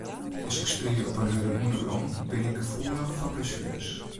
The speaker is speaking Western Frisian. As ik spylje op in hurde ûndergrûn bin ik gefoelich foar blessueres.